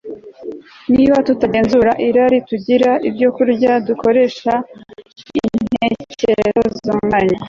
niba tutagenzura irari tugirira ibyokurya dukoresheje intekerezo zitunganye